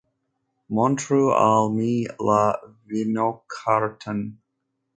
Montru al mi la vinokarton.